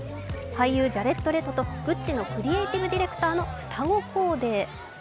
俳優ジャレッド・レトとグッチのクリエイティブディレクターの双子コーデ。